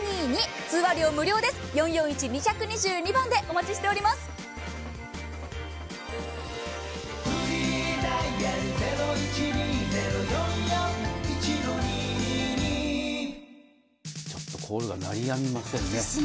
ちょっとコールが鳴りやみませんね。